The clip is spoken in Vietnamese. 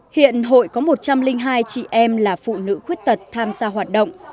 hiện hội có một trăm linh hai chị em là phụ nữ khuyết tật tham gia hoạt động